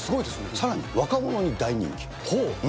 さらに若者に大人気。